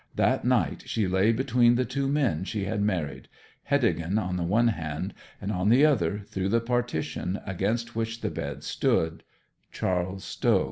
That night she lay between the two men she had married Heddegan on the one hand, and on the other through the partition against which the bed stood, Charles Stow.